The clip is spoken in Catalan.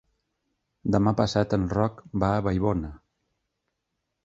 Demà passat en Roc va a Vallibona.